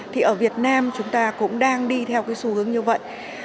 thì ở việt nam chúng ta cũng đang đi theo cái xu hướng như vậy